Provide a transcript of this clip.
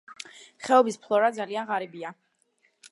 ხეობის ფლორა ძალიან ღარიბია.